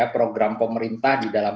program pemerintah di dalam